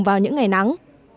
vào những ngày nắng